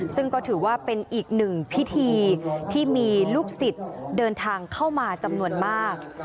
ซึ่งก็ถือว่าเป็นอีกหนึ่งพิธีที่มีลูกศิษย์เดินทางเข้ามาจำนวนมาก